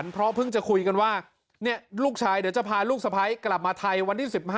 เพราะเพิ่งจะแล้วกันว่านี่ลูกชายเดี่ยวจะพารู้สมัยกลับมาไทยวันที่๑๕